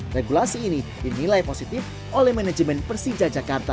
regulasi ini dinilai positif oleh manajemen persija jakarta